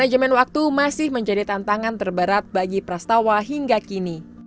manajemen waktu masih menjadi tantangan terberat bagi prastawa hingga kini